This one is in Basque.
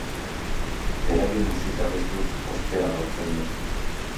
Beraien musika abestuz, ospea lortzen du.